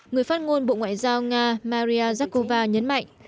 người phát ngôn bộ ngoại giao nga maria zakova nhấn mạnh